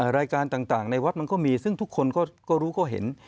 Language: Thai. รายการต่างในวัดมันก็มีซึ่งทุกคนก็รู้ก็เห็น